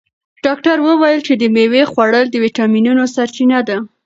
ډاکتر وویل چې د مېوې خوړل د ویټامینونو سرچینه ده.